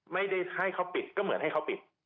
ไม่ได้ให้เขาปิดก็เหมือนให้เขาปิด